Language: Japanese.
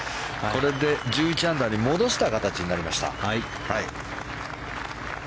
これで１１アンダーに戻した形になりました。